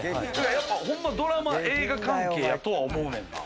やっぱドラマ、映画関係やとは思うねんな。